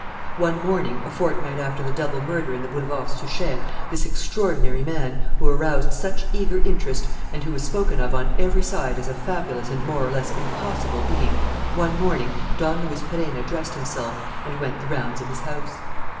One morning, a fortnight after the double murder in the Boulevard Suchet, this extraordinary man, who aroused such eager interest and who was spoken of on every side as a fabulous and more or less impossible being: one morning, Don Luis Perenna dressed himself and went the rounds of his house.